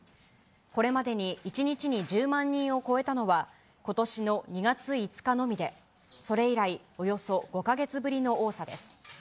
これまでに１日に１０万人を超えたのは、ことしの２月５日のみで、それ以来、およそ５か月ぶりの多さです。